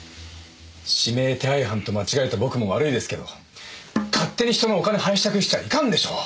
指名手配犯と間違えた僕も悪いですけど勝手に人のお金拝借しちゃいかんでしょう。